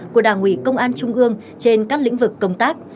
của đảng ủy công an trung ương trên các lĩnh vực công tác